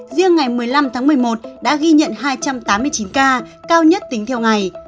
riêng ngày một mươi năm tháng một mươi một đã ghi nhận hai trăm tám mươi chín ca cao nhất tính theo ngày